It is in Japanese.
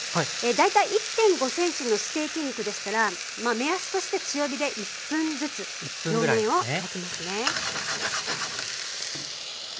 大体１．５ｃｍのステーキ肉でしたら目安として強火で１分ずつ両面を焼きますね。